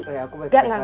rek aku balik ke kajar ya